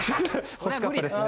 欲しかったですね。